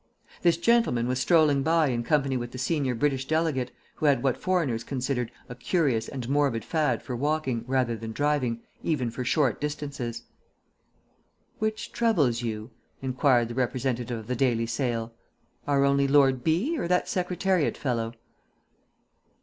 This gentleman was strolling by in company with the senior British delegate, who had what foreigners considered a curious and morbid fad for walking rather than driving, even for short distances. "Which troubles you?" inquired the representative of the Daily Sale. "Our only Lord B., or that Secretariat fellow?"